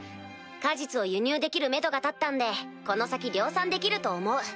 果実を輸入できるめどが立ったんでこの先量産できると思う。